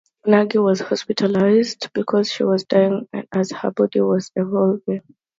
Nagi was hospitalized because she was dying as her body was evolving.